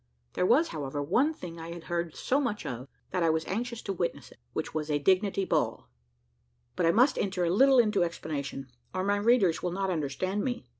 There was, however, one thing I had heard so much of, that I was anxious to witness it, which was a dignity ball. But I must enter a little into explanation, or my readers will not understand me.